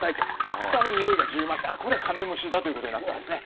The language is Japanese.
そしてにおいが充満してこれはカメムシだとなったんですね。